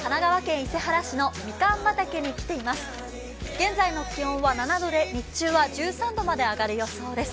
現在の気温は７度で日中は１３度まで上がる予想です。